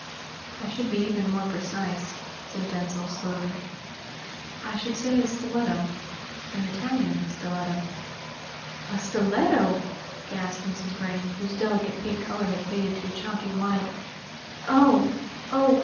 "I should be even more precise," said Denzil slowly. "I should say a stiletto an Italian stiletto." "A stiletto!" gasped Mrs. Vrain, whose delicate pink colour had faded to a chalky white. "Oh! oh!